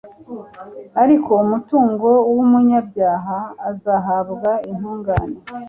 ariko umutungo w’umunyabyaha uzahabwa intungane